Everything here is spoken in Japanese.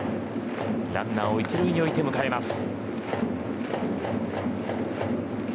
ランナーを１塁に置いて迎えます。